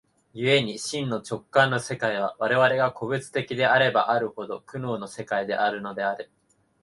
故に真の直観の世界は、我々が個物的であればあるほど、苦悩の世界であるのである。